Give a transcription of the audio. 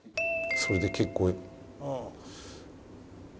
それで結構。